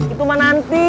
itu mah nanti